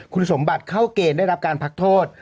คุณสมบัติเข้าเกณฑ์ได้รับการพักโทษ